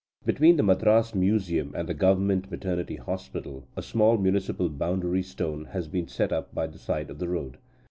Between the Madras museum and the Government maternity hospital, a small municipal boundary stone has been set up by the side of the road.